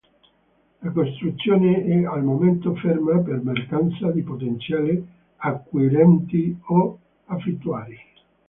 La costruzione è al momento ferma per mancanza di potenziali acquirenti o affittuari.